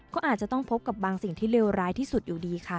ก็อาจจะต้องพบกับบางสิ่งที่เลวร้ายที่สุดอยู่ดีค่ะ